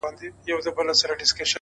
د چا د ويښ زړگي ميسج ننوت ـ